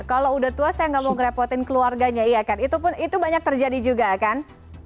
kalau udah tua saya nggak mau ngerepotin keluarganya iya kan itu banyak terjadi juga kan